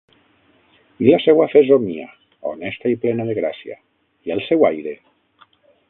I la seua fesomia? Honesta i plena de gràcia. I el seu aire?